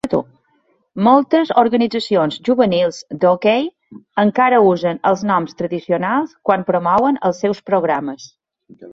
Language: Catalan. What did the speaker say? Moltes organitzacions juvenils d'hoquei encara usen els noms tradicionals quan promouen els seus programes.